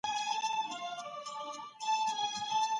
دولتونه د خپلو نړیوالو ملګرو په ډیپلوماټیک ملاتړ باندې پوره تکیه کوي.